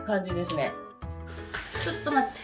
ちょっと待って。